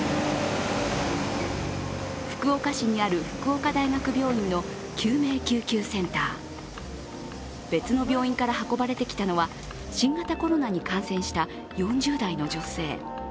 福岡市にある福岡大学病院の救命救急センター、別の病院から運ばれてきたのは新型コロナに感染した４０代の女性。